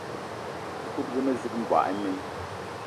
Mëkudgë mezig, mboigi imen